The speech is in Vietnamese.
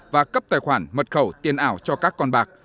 và cấp tài khoản mật khẩu tiền ảo cho các con bạc